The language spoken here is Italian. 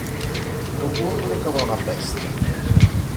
Tu urli come una bestia;.